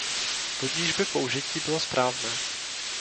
Tudíž by použití bylo správné.